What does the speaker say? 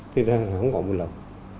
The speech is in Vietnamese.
thì không còn bình lập